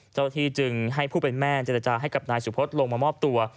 เจ้าหน้าที่จึงให้ผู้เป็นแม่เจรจาให้กับนายสุพธิ์ลงมามอบตัว